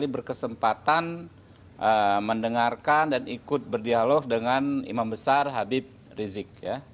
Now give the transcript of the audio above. berkesempatan mendengarkan dan ikut berdialog dengan imam besar habib rizik